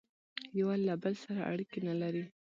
یوه له بل سره اړیکي نه لري